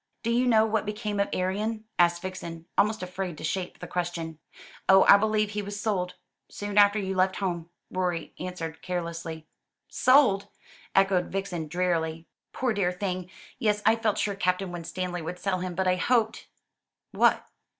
"Do you know what became of Arion?" asked Vixen, almost afraid to shape the question. "Oh, I believe he was sold, soon after you left home," Rorie answered carelessly. "Sold!" echoed Vixen drearily. "Poor dear thing! Yes, I felt sure Captain Winstanley would sell him. But I hoped " "What?"